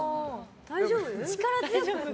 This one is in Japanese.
大丈夫？